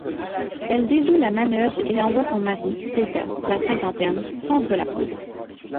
Elle déjoue la manœuvre et envoie son mari, Fédia, la cinquantaine, prendre la poudre.